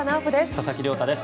佐々木亮太です。